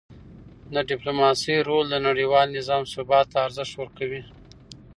د ډیپلوماسی رول د نړیوال نظام ثبات ته ارزښت ورکوي.